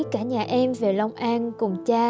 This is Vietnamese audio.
cả nhà em về long an cùng cha